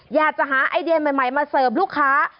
อยากจะหาไอเดียใหม่มาเสิร์ฟลูกค้า